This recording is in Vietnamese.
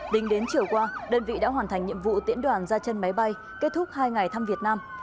đính đến chiều qua đơn vị đã hoàn thành nhiệm vụ tiễn đoàn ra chân máy bay kết thúc hai ngày thăm việt nam